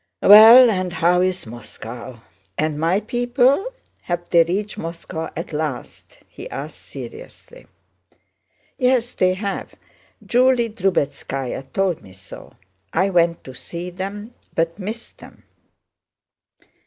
"Well, and how's Moscow? And my people? Have they reached Moscow at last?" he asked seriously. "Yes, they have. Julie Drubetskáya told me so. I went to see them, but missed them.